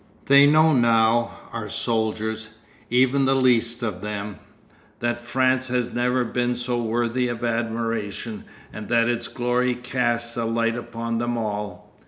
They know now, our soldiers, even the least of them, that France has never been so worthy of admiration, and that its glory casts a light upon them all.